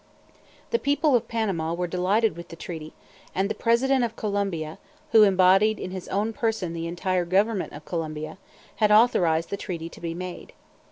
The people of Panama were delighted with the treaty, and the President of Colombia, who embodied in his own person the entire government of Colombia, had authorized the treaty to be made.